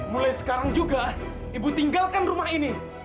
mulai sekarang juga ibu tinggalkan rumah ini